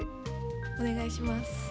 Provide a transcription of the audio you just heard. おねがいします。